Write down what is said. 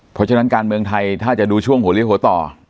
เพราะฉะนั้นการเมืองไทยถ้าจะดูช่วงหัวเลี้ยหัวต่อ